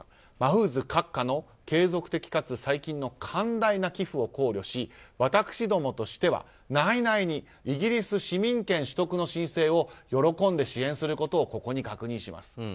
マフーズ閣下の継続的かつ最近の寛大な寄付を考慮し私共としては、内々にイギリス市民権取得の申請を喜んで支援することをここに確認します。